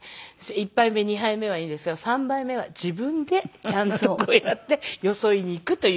１杯目２杯目はいいんですが３杯目は自分でちゃんとこうやってよそいに行くという事で。